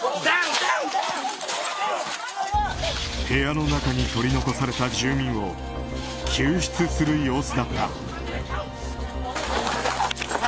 部屋の中に取り残された住民を救出する様子だった。